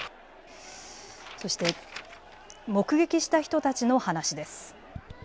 そして目撃した人たちの話です。